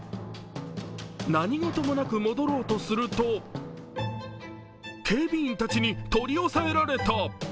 何事もなく戻ろうとすると警備員たちに取り押さえられた。